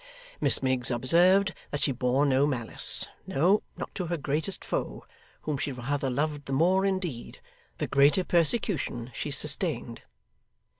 Miss Miggs observed that she bore no malice, no not to her greatest foe, whom she rather loved the more indeed, the greater persecution she sustained.